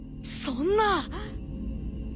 そんな。